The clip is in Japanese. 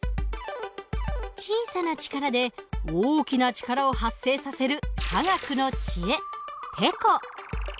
小さな力で大きな力を発生させる科学の知恵てこ。